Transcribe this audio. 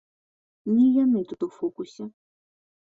Не яны тут у фокусе.